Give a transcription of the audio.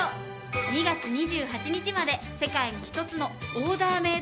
２月２８日まで世界に一つのオーダーメイド